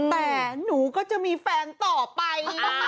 แต่หนูก็จะมีแฟนต่อไปนะคะ